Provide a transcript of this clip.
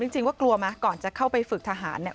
ถามจริงกว่ากลัวไหมก่อนจะเข้าไปฝึกทหาร